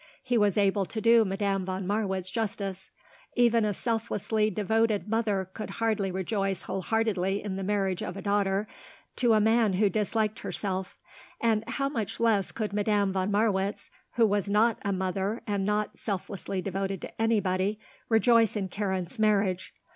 He was able to do Madame von Marwitz justice. Even a selflessly devoted mother could hardly rejoice wholeheartedly in the marriage of a daughter to a man who disliked herself; and how much less could Madame von Marwitz, who was not a mother and not selflessly devoted to anybody, rejoice in Karen's marriage.